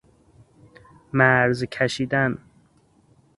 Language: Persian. مرز کشیدن